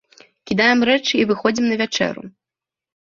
Кідаем рэчы і выходзім на вячэру.